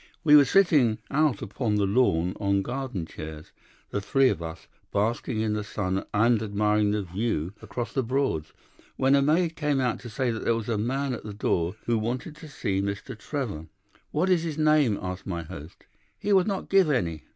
"We were sitting out upon the lawn on garden chairs, the three of us, basking in the sun and admiring the view across the Broads, when a maid came out to say that there was a man at the door who wanted to see Mr. Trevor. "'What is his name?' asked my host. "'He would not give any.